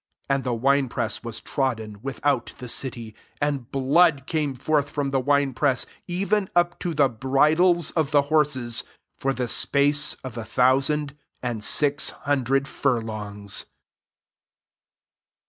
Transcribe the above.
20 And the wine press was trodden, without the city ; and blood came forth from the wine press, even up to the bridles of the horses, for the space of a thousand and six hundred furlongs.